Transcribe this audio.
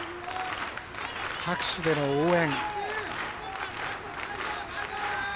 拍手での応援。